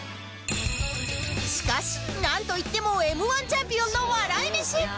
しかしなんといっても Ｍ−１ チャンピオンの笑い飯